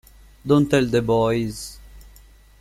Don't tell the boys!